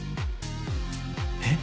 えっ？